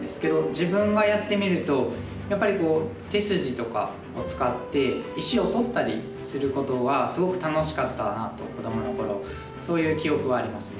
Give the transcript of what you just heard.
自分がやってみるとやっぱり手筋とかを使って石を取ったりすることがすごく楽しかったなと子どもの頃そういう記憶はありますね。